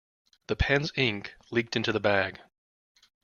The pen's ink leaked into the bag.